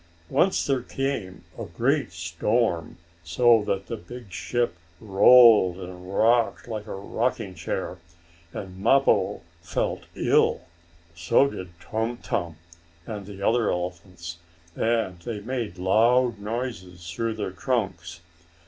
Once there came a great storm, so that the big ship rolled and rocked like a rocking chair, and Mappo felt ill. So did Tum Tum, and the other elephants, and they made loud noises through their trunks.